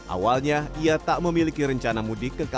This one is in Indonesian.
awalnya ia tak memiliki rencana mudik ketentuan